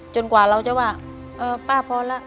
จนกว่าเราจะว่าป้าพอแล้ว